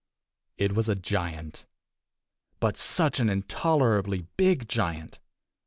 It was a giant! But such an intolerably big giant!